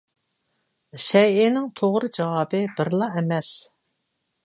شەيئىنىڭ توغرا جاۋابى بىرلا ئەمەس.